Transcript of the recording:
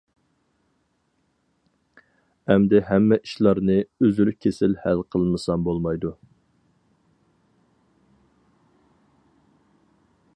ئەمدى ھەممە ئىشلارنى ئۈزۈل-كېسىل ھەل قىلمىسام بولمايدۇ.